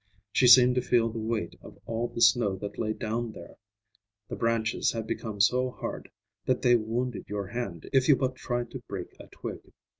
She seemed to feel the weight of all the snow that lay down there. The branches had become so hard that they wounded your hand if you but tried to break a twig.